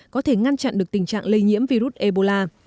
có thể ngăn chặn được tình trạng lây nhiễm virus ebola